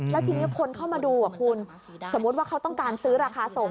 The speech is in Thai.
แล้วทีนี้คนเข้ามาดูคุณสมมุติว่าเขาต้องการซื้อราคาส่ง